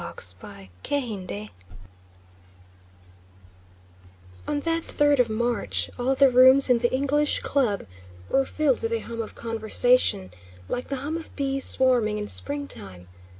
CHAPTER III On that third of March, all the rooms in the English Club were filled with a hum of conversation, like the hum of bees swarming in springtime.